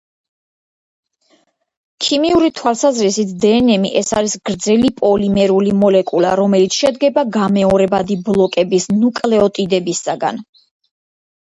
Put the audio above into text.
ქიმიური თვალსაზრისით, დნმ — ეს არის გრძელი პოლიმერული მოლეკულა, რომელიც შედგება გამეორებადი ბლოკების — ნუკლეოტიდებისგან.